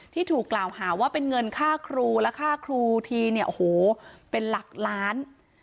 ที่ถูกกล่าวหาว่าเป็นเงินค่าครูและค่าครูทีเนี่ยโอ้โหเป็นหลักล้าน